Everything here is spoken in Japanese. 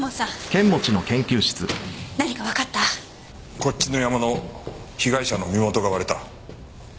こっちのヤマの被害者の身元が割れた。